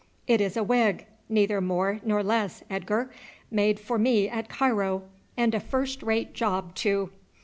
"It is a wig, neither more nor less, Edgar, made for me at Cairo; and a first rate job too."